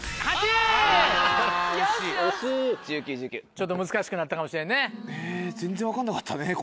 ちょっと難しくなったかもしれんね。